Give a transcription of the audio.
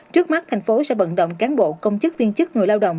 trước mắt tp hcm sẽ vận động cán bộ công chức viên chức người lao động